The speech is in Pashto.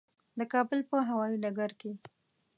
د کابل په هوایي ډګر کې.